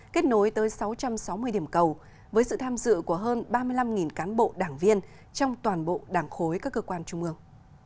kết nối tới sáu trăm sáu mươi điểm cầu với sự tham dự của hơn ba mươi năm cán bộ đảng viên trong toàn bộ đảng khối các cơ quan trung ương